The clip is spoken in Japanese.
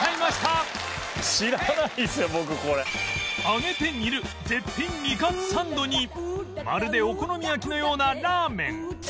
揚げて煮る絶品煮かつサンドにまるでお好み焼きのようなラーメン